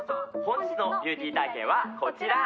本日のビューティー体験はこちら！